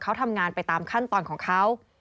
เขาทำงานไปตามขั้นตอนของเขา